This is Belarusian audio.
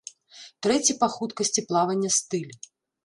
Трэці па хуткасці плавання стыль.